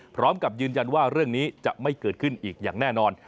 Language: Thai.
พร้อมกับยืนยันว่าเรื่องนี้จะไม่เกิดขึ้นอีกอย่างแน่นอน